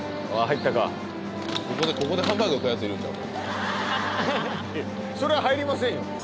いやそれは入りませんよ